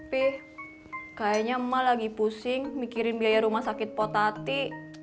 tapi kayaknya emak lagi pusing mikirin biaya rumah sakit potati